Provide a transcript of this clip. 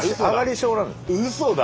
うそだ。